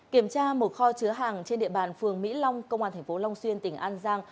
kiểm tra một kho chứa hàng trên địa bàn phường mỹ long công an thành phố long xuyên tỉnh an giang